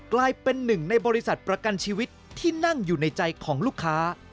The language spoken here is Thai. กลายเป็นหนึ่งในบริษัทประกันชีวิตที่นั่งอยู่ในใจของลูกค้า